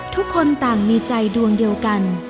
ทุกคนต่างมีใจดวงเดียวกัน